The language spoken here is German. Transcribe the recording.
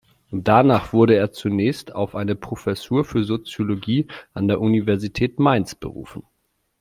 Danach wurde er zunächst auf eine Professur für Soziologie an der Universität Mainz berufen.